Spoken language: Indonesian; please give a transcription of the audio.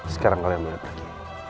sekarang kalian boleh pergi